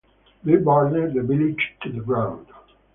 They burned the village to the ground.